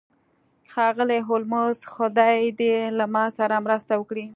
ښاغلی هولمز خدای دې له ما سره مرسته وکړي